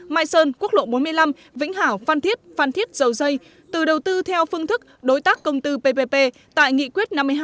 mai sơn quốc lộ bốn mươi năm vĩnh hảo phan thiết phan thiết dầu dây từ đầu tư theo phương thức đối tác công tư ppp tại nghị quyết năm mươi hai